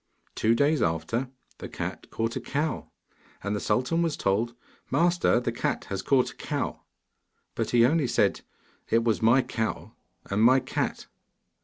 Two days after, the cat caught a cow, and the sultan was told, 'Master, the cat has caught a cow,' but he only said, 'It was my cow and my cat.